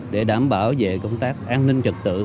để đảm bảo về công tác an ninh trật tự